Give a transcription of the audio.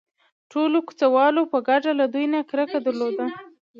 ټولو کوڅه والو په ګډه له دوی نه کرکه درلوده.